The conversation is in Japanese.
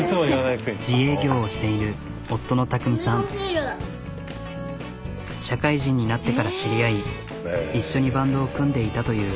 自営業をしている社会人になってから知り合い一緒にバンドを組んでいたという。